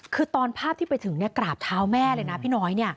คือตอนภาพที่ไปถึงกราบเท้าแม่เลยนะพี่น้อย